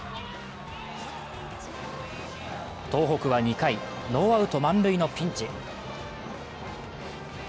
東北は２回、ノーアウト満塁のピンチ。